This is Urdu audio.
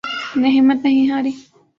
نے ہمت نہیں ہاری